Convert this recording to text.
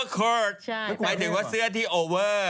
หมายถึงว่าเสื้อที่โอเวอร์